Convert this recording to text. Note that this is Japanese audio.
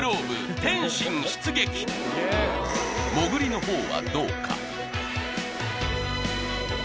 潜りの方はどうか？